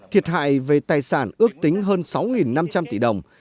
thiệt hại về tài sản ước tính hơn sáu năm trăm linh tỷ đồng